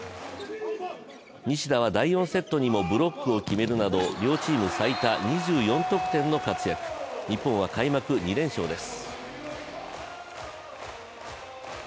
西田は第４セットにもブロックを決めるなど両チーム最多２４得点の活躍、日本は開幕２連勝です。